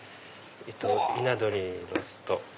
ひな鳥ロースト。